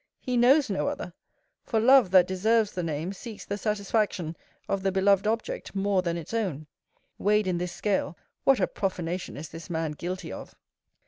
He knows no other; for love, that deserves the name, seeks the satisfaction of the beloved object more than its own. Weighed in this scale, what a profanation is this man guilty of!